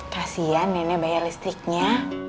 kasian nenek bayar listriknya